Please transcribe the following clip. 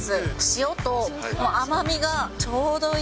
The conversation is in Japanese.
塩と甘みがちょうどいい。